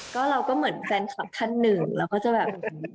ก็เราก็เหมือนแฟนคลับท่านหนึ่งเราก็จะแบบ